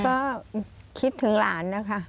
ก็คิดถึงหลานนะคะ